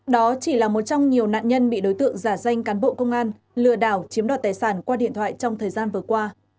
đó chỉ là một trong nhiều nạn nhân bị đối tượng giả danh cán bộ công an lừa đảo chiếm đoạt tài sản qua điện thoại trong thời gian vừa qua